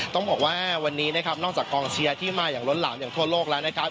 ต้องบอกว่าวันนี้นะครับนอกจากกองเชียร์ที่มาอย่างล้นหลามอย่างทั่วโลกแล้วนะครับ